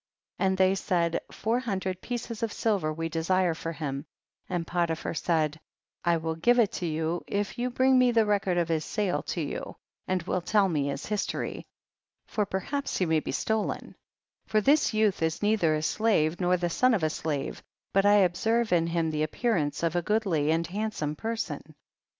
8. And they said, four hundred pieces of silver we desire for him, and Potiphar said, I will give it you if you bring me the record of his sale to you, and will tell me his history, for perhaps he may be stolen, for this youth is neither a slave, nor the son of a slave, but I observe in him the appearance of a goodly and hand some person.